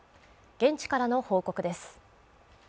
現地からの報告です。